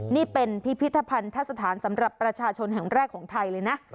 นี่เป็นพิพิธภัณฑสถานสำหรับประชาชนแห่งแรกของไทยเลยนะ